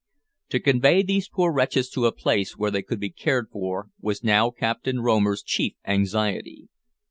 To convey these poor wretches to a place where they could be cared for was now Captain Romer's chief anxiety.